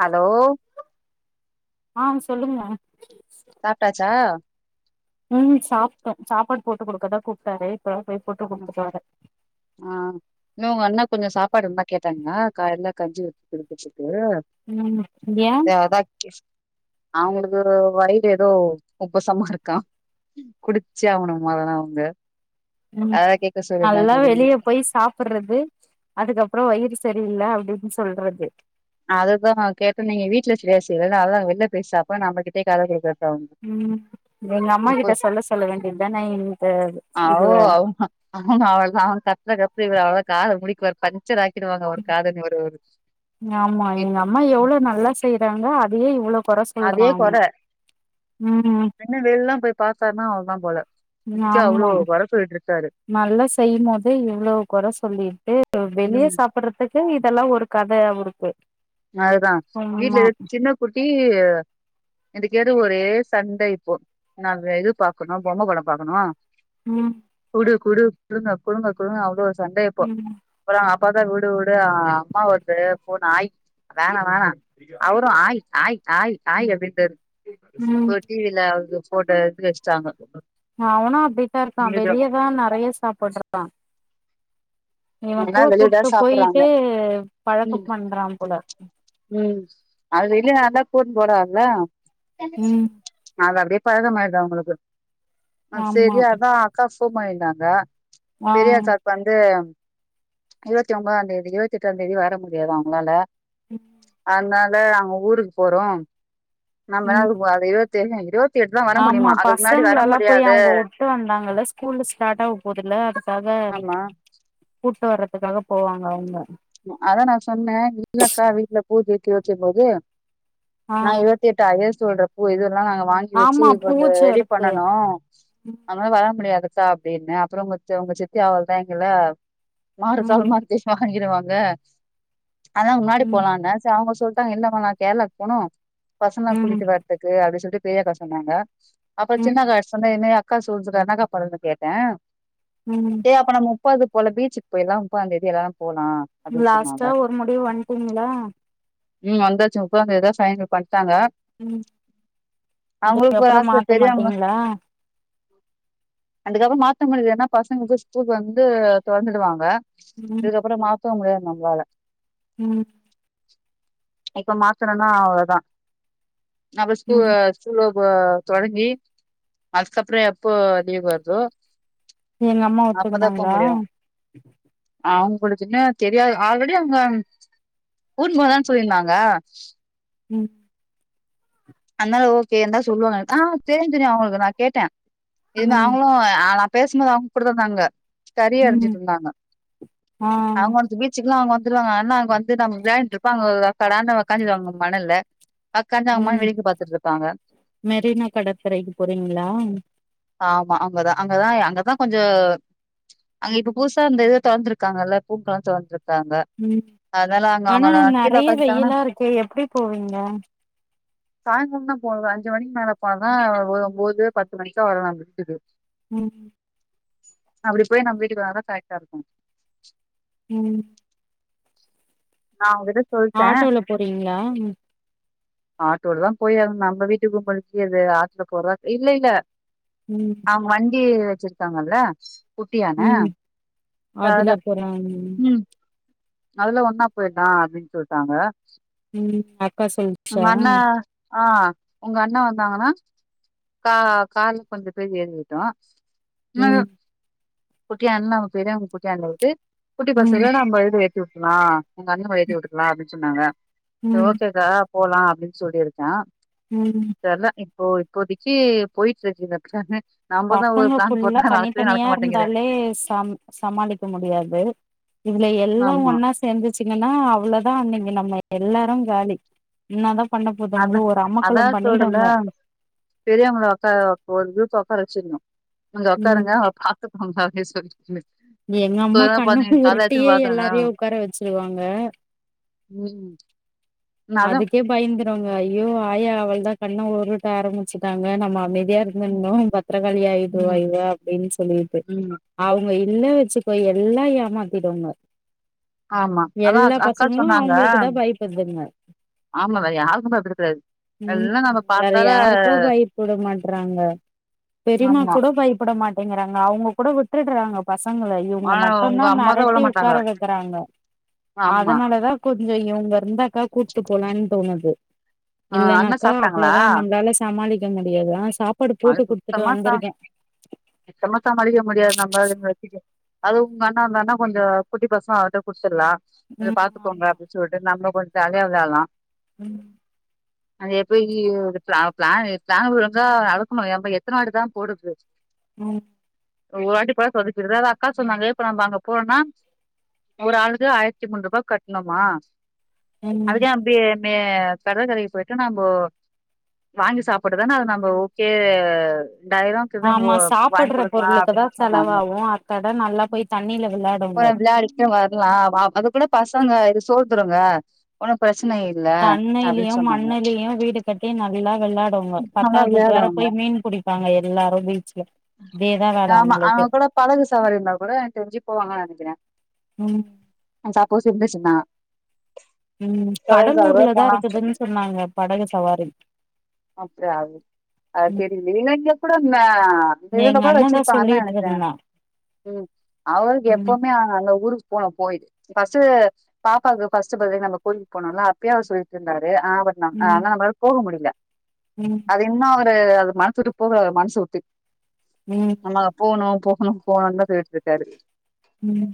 Hello ஆ சொல்லுங்கம்மா சாப்ட்டாச்சா ம்ஹு சாப்ட்டோ சாப்பாடு போட்டு குடுக்கதா கூப்ட்டாரு இப்போ தா போய் போட்டு ம், குடுத்துட்டு வர ஆ இன்னு உங்க அண்ணாக் கொஞ்ச சாப்பாடு இருந்தா கேட்டாங்களா காலைல கஞ்சி வச்சு குடுத்ததுக்கு ம் ஏ அதா அவுங்களுக்கு வயிறு ஏதோ உப்பசமா இருக்கா குடிச்சே ஆகனுமா அதலா அவுங்க ம் நல்லா நீ வெளிய போய் சாப்பட்றது அதுக்கப்பற வயிறு சரியில்ல அப்டின்னு சொல்றது நா அததா நா கேட்டனே நீ வீட்டுல சரியா செய்ல அதனால நா வெள்ல போய் சாப்ற நம்மக்கிட்டே கத விடுறது ம் எங்க அம்மாக்கிட்ட சொல்ல சொல்ல வேண்டியதுதான இந்த இதுவ அவ்ளோ தா அவுங் கத்துற கத்துக் இவர் அவ்ளோ தான் காத முடிக்குவாரு பஞ்சர் ஆக்கிடுவாங்க ஒரு காத ஒரு ஆமா இப் எங்க அம்மா எவ்ளோ நல்லா செய்றாங்க அதையே இவ்ளோ கொற சொல்றா அதே அவ கொற ம் இன்னு வெள்லலா போய் பாத்தாருன்னா அவ்ளோ தா போல இதுக்கே அவ்ளோ ஆமா கொற சொல்லிட்டு இருக்காரு நல்லா செய்யும் போதே இவ்ளோ கொற சொல்லிட்டு ஆ வெளிய ம் சாப்பறதுக்கு இதெல்லா ஒரு கத அவருக்கு அதுதா வீட்ல ஆமா ஆ சின்ன குட்டி அடிக்கடி ஒரே சண்ட இப்போ நாங்க இது பாக்கணு பொம்மை படம் பாக்கணு ம் குடு குடு குடுங்க குடுங்க குடுங்க அவ்ளோ சண்டை இப்போ ம் அப்பற அப்பா தா விடு விடு அம்மாவோடது ஃபோன் ஆயி வேணா வேணா அவருமஆய் ஆய் ஆய் ஆய் அப்டின்றாரு ம் ஒரு டிவில ஃபோட்டோ எடுத்து வச்ட்டாங்க அவனு அப்டித்தா இருக்கா வெளியேதா நறைய சாப்புட்றா இவன் எல்லா கூட வெளியதா கூட்டு சாப்புட்றாங்க போயிட்டு ம் பழக்கம் பண்றான் போல ம் அது வெளிய நல்லா கூட்டீனு போறாருல ம் அது அப்டியே பழக்கமாயிடுது அவுங்களுக்கு ஆ ஆமா சேரி அதா அக்கா ஃபோன் பண்ணிருந்தாங்க ஆ பெரிய அக்காக்கு வந்து இருவத்தி ஒம்பதாந்தேதி இருவத்தி எட்டாந்தேதி வர முடியாதா அவுங்களால அதனால அவுங்க ஊருக்கு போறோ நம்ம ம் என்னாது அது இருவத்தேழு இருவத் ஆமா பசங்கள எல்லா போய் அவுங்க உட்டு வந்தாங்கல்ல ஸ்கூலு ஸ்டார்ட் ஆகப் போகுதுல்ல அதுக்காக ஆமா கூட்டு வர்றதுக்காக போவாங்க அவுங்க அதா நா சொன்னே இல்லக்கா வீட்ல பூஜைக்கு வக்கப் போது ஆ நா இருவத் எட்டா ஏ சொல்ற பூ இதுல்லா நாங்க வாங்கி வச்சு ஆமா கொஞ்ச பூஜ ரெடி இருக்கு பண்ணனு அதனால வர முடியாதுக்கா அப்டின்னே அப்புற உங்க தே உங்க சித்தி அவ்ளோதா எங்கள மாறு கால் ம் மாறு கை வாங்கிருவாங்க அதா முன்னாடி ம் போகலான்ன சே அவுங்க சொல் அக்கா இல்லம்மா நா கேரளாக்கு போனு பசங்களலா ம் கூட்டிட்டு வரதுக்கு அப்டி சொல்லிட்டு பெரியக்கா சொன்னாங்க அப்பற சின்ன ம் அக்காட்ட சொன்னே இதுமாரி அக்கா சொன்னுச்சிக்கா என்னக்கா பண்றதுனு கேட்ட ம் ஏய் அப்ப நம்ம முப்பது போல பீச்சுக்கு போயிர்லா முப்பதாந் தேதி எல்லாரு போலா அப்டின்னு சொன்னாங்க லாஸ்ட்டா ஒரு முடிவு வந்ட்டீங்களா ம் வந்தாச்சு முப்பதாந் தேதி தா ஃபைனல் பண்ட்டாங்க ம் அவங்களுக்கு ஒரு இதுக்கப்பறம் மாத்த மாட்டீங்களா அதுக்கப்பறம் மாத்த முடியாது ஏனா பசங்களுக்கு ஸ்கூல் வந்து தொறந்துடுவாங்க ம் இதுக்கப்பறம் மாத்தவே முடியாது நம்மளால ம் இப்ப மாத்துனன்னா அவ்ளோதா நா போய் ஸ்கூ ம் ஸ்கூல் ஓப்ப தொடங்கி அதுக்கப்புறம் எப்ப லீவு வருதே எங்க அம்மா ஒத்துக்கனாங்ளா முடியு அவங்களுக்கு இன்னு தெரியாது ஆல்ரெடி அவங்க கூட்னு போல சொல்லியிருந்தாங்க ம் அதனால ஓக்கேன்னு தா சொல்லுவாங்க ஆ தெரியு தெரியு அவங்களுக்கு நா கேட்டே ம் இருந்து அவங்களு நா பேசும்போது அவங்க கூட தா இருந்தாங்க கறி ம் அறிஞ்சிட்டு இருந்தாங்க ஆ அவங்க வந்து பீச் சுக்கல்லா அவங்க வந்துடுவாங்க ஆனா அங்க வந்து நம் விளாண்டு இருப்போ அங்க அக்கடான்னு உக்காந்துடுவாங்க மணல்ல உக்காந்து அவங்க ம் பாட்டுக்கு வேடிக் மெரினா கடற்கரைக்கு போறீங்ளா ஆமா அங்கதா அங்கதா அங்கதா கொஞ்சோ அங்க இப்ப புதுசா அந்த இது தொறந்திருக்காங்கல்ல பூங்கா தொறந்திருக்காங்க ம் அதனால அங்க ஆனா அவங்க கீழ நெறைய உக்காந்துட்டாங்கன்னா வெயிலா இருக்கே எப்டி போவீங்க சாயங்காலம் தா போறது அஞ்சு மணிக்கு மேல போன ஒரு ஒம்போது பத்து மணிக்கா வரலா முடிச்சிட்டு ம் அப்டி போயி நம்ம வீட்டுக்கு வந்தாதா கரெக்டா இருக்கும் ம் நா உன் கிட்ட ஆட்டோல போறீங்ளா ஆட்டோலதா போயாகணு நம்ம வீட்டுக்கு [unintelligible] ஆட்டோல போறதா இல்ல இல்ல ம் அவங்க வண்டி வச்சிருக்காங்கல்ல குட்டியான ம் அதுல போலான்னு ம் அதுல ஒன்னா போயிட்லா அப்டின்னு சொல்ட்டாங்க ம் அக்கா சொல்ச்சா உங்க அண்ண ஆ உங்க அண்ணா வந்தாங்கன்னா கா கார்ல கொஞ்ச பேர் எறிக்கிட்டும் ம் குட்டியானையில நம்ப பெரியவங்க குட்டியானைல உட்டு குட்டி ம் பசங்கல நம்ப இது ஏத்தி உட்டுல்லா உங்க அண்ணக்கூட ஏத்தி விட்டுக்கலா அப்டின்னு சொன்னாங்க சேரி ம் ஓக்கேக்கா போலா அப்டின்னு சொல்லியிருக்கே ம் தெர்ல இப்போ இப்போதைக்கு போயிட்டு இருக்கு [unintelligible] ஒரு பசங்க பிளான் புல்லா போட்டா நடக்கவே நடக்க தனித்தனியா மாட்டேங்குதே இருந்தாலே சம் சமாளிக்க முடியாது இதுல எல்லா ஆமா ஒன்னா சேந்துச்சிங்கன்னா அவ்ளதா அன்னிக்கு நம்ம எல்லாரும் காலி என்னாதா பண்ண அதா போதுங்களோ ஒரு அதா அமக்களம் சொல்றல பண்ணிடுங்க பெரியவங்கள உக்கார ஒரு குருப் உக்கார வச்சிரணு இங்க ம் உக்காருங்க அவ காப் பி கொண்டு வா அப்டின்னு சொல்லிக்கினு எங்க அம்மா கண்ண உருட்டியே எல்லாரையு உக்கார வச்சிருவாங்க ம் நா அதா அதுக்கே பயந்துருங்க ஐய்யோ ஆயா அவள்தா கண்ண உருட்ட ஆரம்பிச்சுட்டாங்க நம்ம அமைதியா இரு ந்துன்னு பத்திரகாளி ஆயிடுவா ம் இவ அப்டின்னு சொல்லிட்டு ம் அவங்க இல்ல வச்சுக்கோ எல்லா ஏமாத்திடுங்க ஆமா அதா எல்லா அக்கா பசங்களு சொன்னாங்க அவங்களுக்கு தா பயப்படுதுங்க ஆமா வேற யாருக்கும் பயப்பாடுதுங்க ம் வேற யாருக்கோ பயப்பட மாட்றாங்க பெரிம்மா ஆமா கூட பயப்பட மாட்டேங்கிறாங்க அவுங்க கூட விட்டுடுறாங்க பசங்கள இவங்க ஆனா மட்டுதா உங்க அம்மாதா விட மெரட்டு மாட்டாங்க உக்கார வைக்கறாங்க ஆமா அதனாலதா கொஞ்சோ இவுங்க இருந்தாக்க கூட்டுப்போலன்னு தோணுது ஆ அண்ண இல்லன்னாக்கா சாப்ட்டாங்களா அவ்வளோதா நம்ளால சமாளிக்க முடியாது ஆன சாப்பாடு அது போட்டு குடுத்துட்டு சுத்தமா சா வந்திருக்கே சுத்தமா சமாளிக்க முடியாது நம்ம அதுங்க வச்சிக்க அது உங்க அண்ணா இருந்தன்னா கொஞ்சோ குட்டி பசங் அவ்ருட்ட குடுத்துர்லா இத ம் பாத்துக்கோங்க ஆமா அப்டி சொல்ட்டு நம்ம கொஞ்ச ஜாலியா விளயாட்லா ம் அது எப்டியோ ப்ளா ப்ளானு ப்ளான்குள்ள இருந்தா நடக் குனு நம்ம எத்தனவாட்டி தா போடுது ம் ஒரு வாட்டி போட சொதப்பிடுது அதா அக்கா சொன்னாங்க இப்ப நம்ம அங்க போனா ஒரு ஆளுக்கு ஆயிரத்தி மூன்று ரூபா கட்டுணுமா ம் அதுக்கு எ இப் டியேமே கடற்கரைக்கு போய்ட்டு நம்போ வாங்கி சாப்புடதான அது நம்போ கே ரெண்டாயிரம் க்குதா ஓ ஆமா வாங்கி சாப்புட்ற குடுக்கலா பொருளுக்குதா அப்டின்னு சொன்னாங்க செலவாவு அத்தாட நல்லா ம் போய் தண்ணில விளாடுங்க கொஞ்ச நேரோ விளாடி அ வர்லாவாப் அது கூட பசங்க இது சோர்துருங்க ஒனும் பிரச்சன இல் தண்ணைலியு மண்ணலியு வீடு கட்டி நல்லா விளாடு டுங்கோ நல்லா பத்தாதுக்கு வேற விளையாடுவாங்க போய் மீன் புடிப்பாங்க எல்லாரு பீச்ல தெதா வ ஆமா அங்க கூட படகு சவாரி இருந்தா கூட எனக்கு தெரிஞ்சு போவாங்க நெனைக்கிறே ம். அங்க சப்போஸ் இருந்துச்சீன்னா ம் கடலூர்லதா இருக்குதுன்னு சொன்னாங்க படகு சவாரி. அப்டியா அது அ ம் தெரியி இல்ல இதோ இங்க கூட அந்த இந்த இதுல எங்க கூட அண்ணதா வச்சிருப்பாங்கனு நெனக்கிறேன் சொல்லிட்ருந்தா ம் அவ்ருக்கு ம் எப்பவுமே அங்க ஊருக்கு போன போய்டு ஃபஸ்ட் பாப்பாக்கு ஃபஸ்ட்டு பர்த்டே நம்ம கோயில்லுக்கு போனம்ல்ல அப்பயே அவ்ரு சொல்லிட்டு இருந்தாரு ஆ அவ நம் ம் ஆனா நம்மளலா போக முடியில ம் தின்னோ அவ்ரு அது மனசு வுட்டு போகல அவ்ரு மனச வுட்டி ம் நம்ம அங்க போணு போகணு போகணு தா சொல்ட்டு இருக்காரு ம்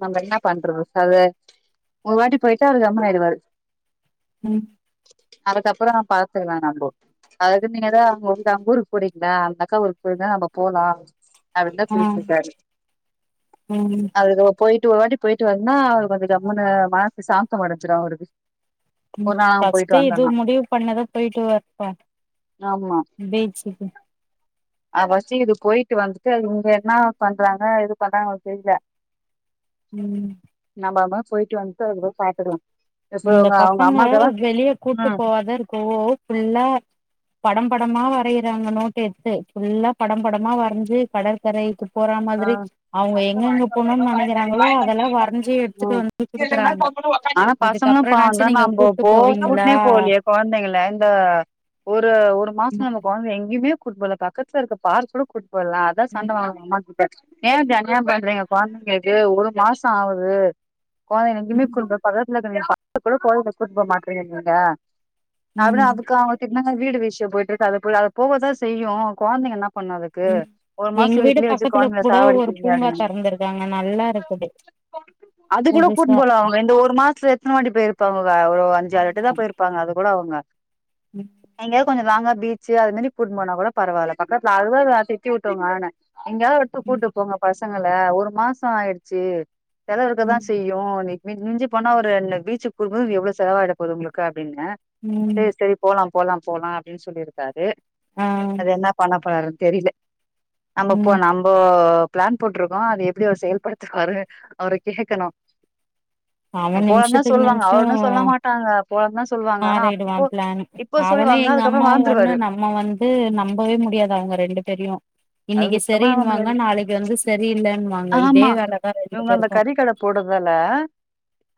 நம்ம என்ன பண்றது சொல்லு ஒரு வாட்டி போய்ட்டா அவ்ரு கம்முனு ஆய்ருவாரு ம் அதுக்கப்பறோ நம் பாத்துக்குல நம்போ அதுக்கு நீங்க ஏதா அவுங்க உங்க அங்கஊருக்கு போறீங்களா அந்த அக்கா ஊருக்கு போயிருந்த நம்ம போலா அப்டின்னு தா ஆ சொல்ட்டு இருக்காரு ம் அவ்ருக்கு போய்ட்டு ஒருவாட்டி போய்ட்டு வந்தா அவ்ரு கொஞ்ச கம்முனு மனசு சாந்தம் அடைஞ்சிரு அவ்ருக்கு ம் ஃபர்ஸ்ட்டு இதுவு முடிவு பண்ணதா போய்ட்டு வருட்டு ஆமா அ ஃபர்ஸ்ட்டு இது போய்ட்டு வந்துட்டு அதுக்கு இவுங்க என்ன பண்றாங்க ஏது பண்றாங்க தெரியில [inaudible] ம் நம்மாம போயிட்டு வந்துட்டு அது பாத்துக்கலா இப்ப இந்த அவங்க அவங்க பசங்க அம்மாக்கெல்லா வெளியே கூட்டு ம் போவாதா இருக்கவோ புல்லா பட படமா வரைறாங்க நோட்டு எடுத்து ஃபுல்லா படம் படமா வரைஞ்சு கடற்கரை போறா ஆ மாதிரி அவங்க எங்க எங்க போணம்னு நெனைக்கிறாங்களோ அதெல்லா வரைஞ்சி எடுத்துட்டு வந்து குடுக்குறாங்க ஆ பசங்களு பாவந்தா இதுக்கப்புறனாச்சு நீங்க நம கூட்டு போ போவீங்களா கூட்டுனே போகலயே கொழந்தைங்க இந்த ஒரு ஒரு மாச ஆமா [unintelligible] கொழந்தைய எங்கயுமே கூட்டு போல பக்கத்துல இருக்க பார்க் கூட கூட் போல அதா சண்ட ம் வாங்க அம்மாக் ஏ இப்டி அன்னியாம் பண்றீங்க கொழந்தைங்களுக்குக் ஒரு மாச ஆவுது கொழந்த எங்கயமே கூ ம் பத்துல இருக்குற பார்க் கூட கோயில கூப்ட் போ மாட்டீங்க நீங்க அப்பற ம் அதுக்கு அவங்க தின்னாங்க வீடு விஷயம் போயிட்ருக்கு அ போய் அ அத போகதா செய்யு கொழந்தைங்கன்னா பண்ணதுக்கு ம் ஒரு மாச எங்க வீடு வீட்லயே வச்சு பக்கத்துல கொழந்தைங்கள கூட ஒரு சாவடிக்கிறீங்க பூங்கா அப்டின்னாங்க தெறந்தருக்காங்க நல்லா இருக்குது அது கூட கூட்டு புதுசா போல அவங்க இந்த ஒரு மாசத்துல எத்தன வாட்டி போருப்பாங்க ஒரு அஞ்சு அறு ஆமா டைம் போயிருப் ப்பாங்க அது கூட அவங்க ம் எங்கயாவது கொஞ்ச லாங்கா பீச்சு அது மாரி கூட்டு போனா கூட பரவால்ல பக்கத்துல அதுத திட்டி விட்ட நானு எங்கயாவ் ம் கூட்டு போங்க பசங்கள ஒரு மாச ஆயிடுச்சு செலவருக்கு தா ம் செய்யு மி மிஞ்சி போனா ஒருன பீச்சு போது எவ்வள செலவாயிட போகுது உங்களுக்கு அப்டின்ன ம் செரி செரி போலா போலா போலா அப்டின்னு சொல்லியிருக்காரு ஆ அது என்ன பண்ணபோறாரு தெரியல நம்ம போ ம் நம் இப்ப ப்ளான் போட்ருக்கோ அத எப்டி அவர் செயல்படுத்துவாரு அவர கேக்கணு அவ போலன்தா நிமிஷத்துக்கு சொல்லுவாங்க அவ நிமிஷோ ஒன்னு சொல்ல மாட்டாங்க போலன்தா சொல்லுவாங்க ஆனா மாறிடுவா அப்போ பிளான் இப்ப அவனு சொல்லுவாங்க எங்க அதுக்கப்பற அம்மாவு ஒண்ணு வாழ்ந்திருவாரு நம்ம வந்து நம்பவே முடியாத அவங்க ரெண்டு பேரையு அது இன்னைக்கி சுத்தமா நம்ப செரினுவாங்க முடியாது நாளைக்கு வந்து செரியில்லன்னுவாங்க இதே வேலதா ரெண்டு பேருக்கு போடுதல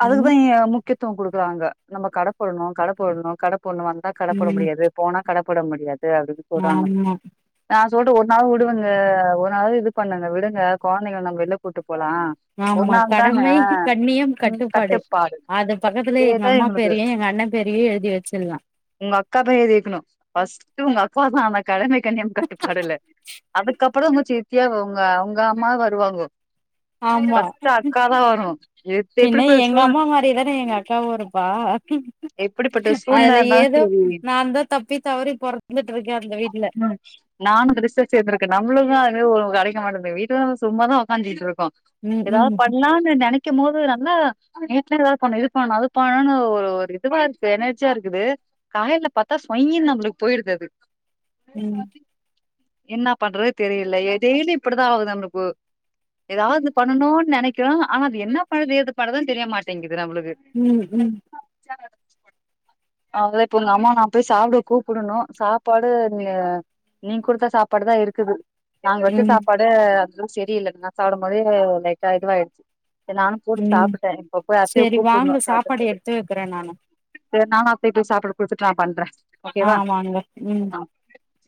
அதுக்குதா ம் ஏ முக்கிய த்த குடுக்கலாங்க நம்ம கட போடணு கட போடணு கட போடணு வந்தா கட போட ம் முடியாது போனா கட போட முடியாது அப்டின்னு சொல்றாங்க ஆமா ந சொல்ற ஒ ந விடுவங்க ஒரு நாள இது பண்ணுங்க விடுங்க கொழந்தைங்க நம்ம வெள்ள கூட்டு போலா ஒரு ஆமா நாள் தான கடமை கண்ணியம் கட்டுப்பாடு அது பக்கத்திலயே இதேதா எங்கம்மா இவங்களுக்கு பேரையு எங்க அண்ண பேரையு எழுதி வச்சிட்லா உங்க அக்கா பேய எழுதி வைக்கணு ஃர்ஸ்ட்டு உங்கக்கா தா அந்த கடமை கண்ணியம் கட்டுப்பாடுல [inaudible] அதுக்கப்பற சித்தியா அவங்க அவங்க அம்மா வருவாங்கோ ஆமா ஃபர்ஸ்ட்டு அக்கா தா வரு எது பின்ன எப்படிப்பட்ட சூழ் எங்கம்மா மாரிதானே எங்கக்காவு இருப்பா எப்படிப்பட்ட சூழ்நிலையா அதுல இருந்தாலு ஏதோ நாந்தா தப்பி தவறி பொறந்துட்ருக்கே அந்த வீட்ல ம் நானு ரிஸர்ச் சேந்திருகே நம்மளுக்கு அது கெடைக்க மாட்டது வீட்டுந்து சும்மாதா உக்காந்துட்ருக்கோ ம் ம் ஏதாவது பண்ணலாம்னு நெனைக்கும் போது நல்லா வீட்ல எதாவது பண்ணு இது பண்ணு அது பண்ணுனு ஒரு ஒரு இதுவா இருக்கு எனர்ஜியா இருக்குது காயல்ல பாத்தா சுவய்ன்னு நம்மளுக்கு போயிருது அது ம் என்னா பண்றது தெரியல டெய்லியு இப்டிதா ஆகுது நம்மளுக்கு ஏதாவது பண்ணனுனு நெனைக்கிறோ ஆனா அது என்ன பண்ணுது ஏது பண்ணுதுன்னு தெரியமாட்டேங்குது நம்மளுக்கு ம் ம் [inaudible] அவங்கதா இப்ப உங்க அம்மா நான போய் சாப்பிட கூப்பிடணு சாப்பாடு நீங்க குடுத்த சாப்பாடு தா இருக்குது நாங்க வச்ச ம் சாப்பா டு அதும் செரியில்ல நா சாப்புடும் போதே லைட்டா இதுவாயிடுச்சு சேரி நானும் போட்டு ம் சாப்புட்டுடே இப்ப போயி அத்தைய சரி கூப்பிட்ணு வாங்க சாப்பாடு சாப்பற்றதுக்கு எடுத்து வைக்கிறேன் நானு சேரி நானா போய்ட்டு சாப்பாடு குடுத்துட்டு நா பண்றே ஓகேவா ஆமாங்க உம் ஆ ஆ